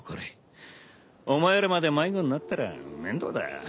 お前らまで迷子になったら面倒だ。